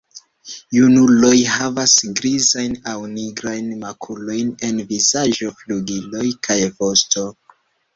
Junuloj havas grizajn aŭ nigrajn makulojn en vizaĝo, flugiloj kaj vosto.